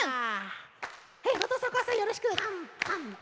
はいおとうさんおかあさんよろしく。